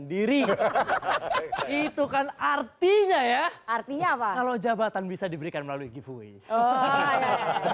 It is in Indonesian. diri itu kan artinya ya artinya apa kalau jabatan bisa diberikan melalui gifui